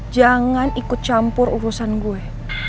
jangan ikut campur urusan gue